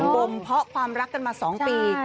บมเพาะความรักกันมา๒ปี